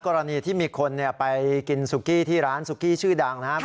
กรณีที่มีคนไปกินซุกี้ที่ร้านซุกี้ชื่อดังนะครับ